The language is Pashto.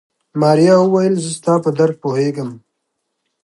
ماريا وويل زه ستا په درد پوهېږم.